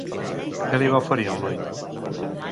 Què li va oferir el noi?